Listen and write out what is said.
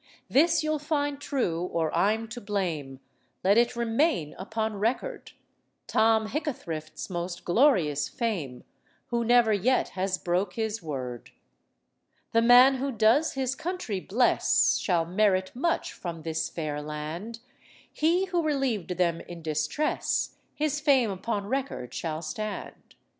This you'll find true, or I'm to blame, Let it remain upon record, Tom Hickathrift's most glorious fame, Who never yet has broke his word. The man who does his country bless Shall merit much from this fair land; He who relieved them in distress His fame upon record shall stand.